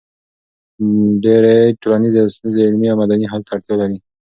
ډېری ټولنیزې ستونزې علمي او مدني حل ته اړتیا لري.